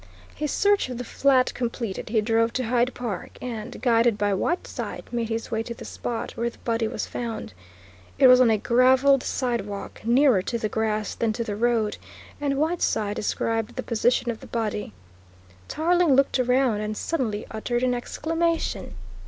His search of the flat completed, he drove to Hyde Park and, guided by Whiteside, made his way to the spot where the body was found. It was on a gravelled sidewalk, nearer to the grass than to the road, and Whiteside described the position of the body. Tarling looked round, and suddenly uttered an exclamation.